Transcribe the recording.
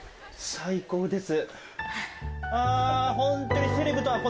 最高ですね。